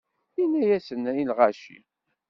Yenna-yasen i lɣaci.